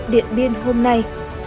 điện biên hôm nay